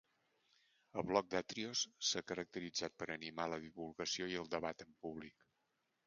El blog d'Atrios s'ha caracteritzat per animar la divulgació i el debat en públic.